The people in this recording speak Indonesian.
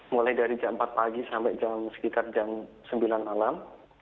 mulai dari jam empat pagi sampai sekitar jam sembilan malam